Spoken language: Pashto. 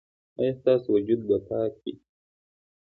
ایا ستاسو وجود به پاک وي؟